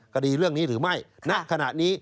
คดีเรื่องนี้หรือไม่ณขณะนี้